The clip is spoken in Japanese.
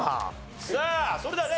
さあそれではね